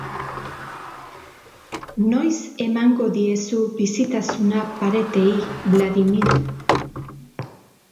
Noiz emango diezu bizitasuna paretei, Vladimir.